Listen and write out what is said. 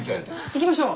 行きましょう！